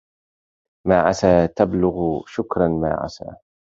ما عسى تبلغ شكراً ما عسى